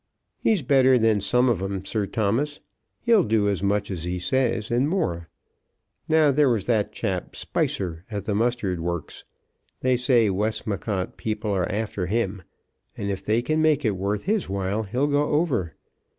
"He's better than some of 'em, Sir Thomas. He'll do as much as he says, and more. Now there was that chap Spicer at the mustard works. They say Westmacott people are after him, and if they can make it worth his while he'll go over.